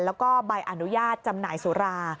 แล้วก็ใบอนุญาตจำหน่ายสุรา